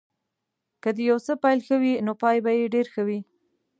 که د یو څه پيل ښه وي نو پای به یې ډېر ښه وي.